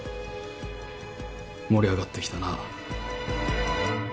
盛り上がってきたな。